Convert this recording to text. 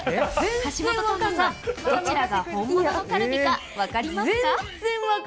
橋本環奈さん、どちらが本物のカルビか分かりますか？